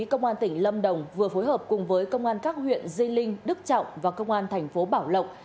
công an tỉnh lâm đồng vừa phối hợp cùng với công an các huyện di linh đức trọng và công an thành phố bảo lộc